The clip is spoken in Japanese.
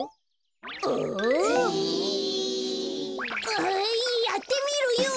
あやってみるよ！